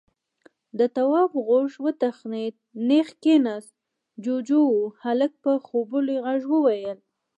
د تواب غوږ وتخنېد، نېغ کېناست. جُوجُو و. هلک په خوبولي غږ وويل: